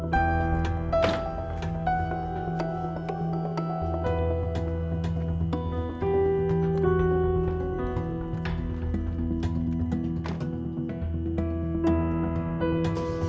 sini kita lihat dia